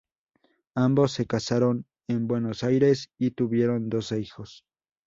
Ambos se casaron en Buenos Aires y tuvieron doce hijos.